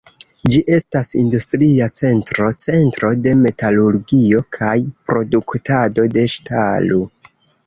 Ĝi estas industria centro, centro de metalurgio kaj produktado de ŝtalo.